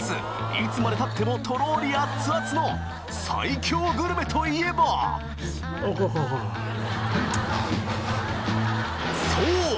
いつまでたってもとろりアッツアツの最強グルメといえばそう！